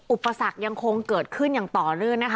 อุปสรรคยังคงเกิดขึ้นอย่างต่อลื่น